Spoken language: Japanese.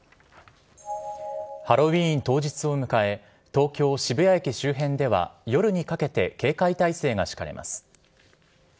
ハロウィーン当日を迎え、東京・渋谷駅周辺では、夜にかけて警戒態勢が敷かれます。